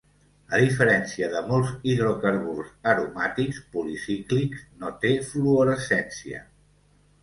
A diferència de molts hidrocarburs aromàtics policíclics, no té fluorescència.